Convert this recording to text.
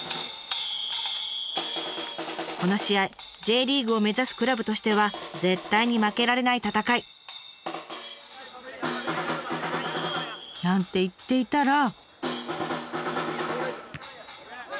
この試合Ｊリーグを目指すクラブとしては絶対に負けられない戦い！なんて言っていたら。